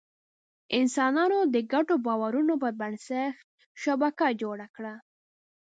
انسانانو د ګډو باورونو پر بنسټ شبکه جوړه کړه.